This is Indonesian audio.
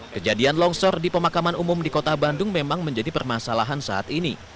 kejadian longsor di pemakaman umum di kota bandung memang menjadi permasalahan saat ini